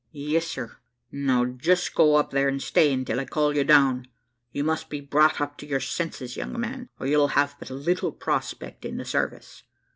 `Yes, sir; now just go up there and stay until I call you down: You must be brought up to your senses, young man, or you'll have but little prospect in the service.'